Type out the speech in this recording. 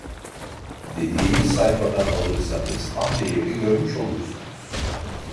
Dediğimiz sayfadan alırsanız tam değeri görmüş olursunuz